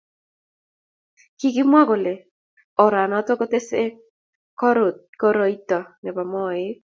Kikimwa kole oranoto ko tesiene koroito ne bo moek.